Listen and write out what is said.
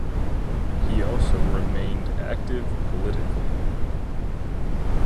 He also remained active politically.